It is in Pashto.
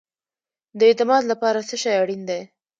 د اعتماد لپاره څه شی اړین دی؟